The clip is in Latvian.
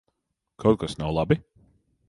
Kaut kas nav labi?